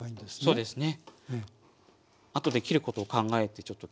そうですね。